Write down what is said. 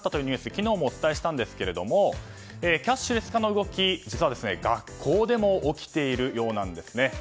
昨日もお伝えしたんですけれどもキャッシュレス化の動き実は学校でも起きているようなんですね。